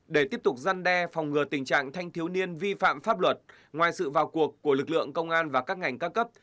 để tiếp tục gian đe phòng ngừa tình trạng thanh thiếu niên vi phạm pháp luật ngoài sự vào cuộc của lực lượng công an và các ngành ca cấp